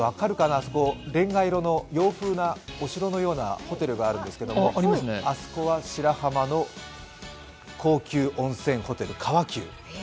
あそこれんが色の洋風のお城のようなホテルがあるんですけどあそこは白浜の高級温泉ホテル、川久。